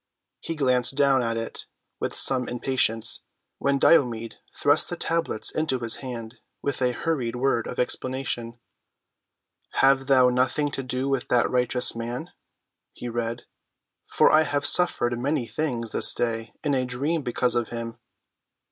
He glanced down at it with some impatience, when Diomed thrust the tablets into his hand with a hurried word of explanation. "Have thou nothing to do with that righteous man," he read, "for I have suffered many things this day in a dream because of him."